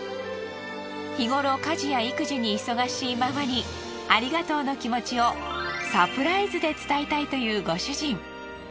日頃家事や育児に忙しいママにありがとうの気持ちをサプライズで伝えたいというご主人。